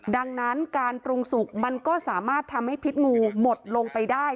ดังนั้นการปรุงสุกมันก็สามารถทำให้พิษงูหมดลงไปได้